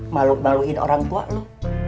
maluk maluin orang tua lu